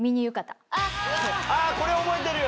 あこれ覚えてるよ。